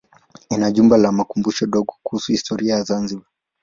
Ina jumba la makumbusho dogo kuhusu historia ya Zanzibar.